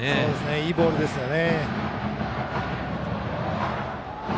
いいボールですよね。